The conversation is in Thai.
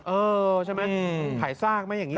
เออใช่ไหมขายซากไหมอย่างนี้